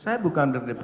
saya bukan berdebat